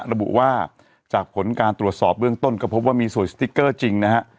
ระบุว่าจากผลการตรวจสอบเบื้องต้นก็พบว่ามีสวยสติ๊กเกอร์จริงนะฮะ